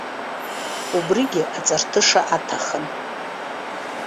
Убригьы аҵарҭыша аҭахын.